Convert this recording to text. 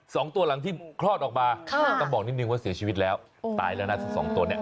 สองตัวหลังที่คลอดออกมาค่ะต้องบอกนิดนึงว่าเสียชีวิตแล้วตายแล้วนะทั้งสองตัวเนี่ย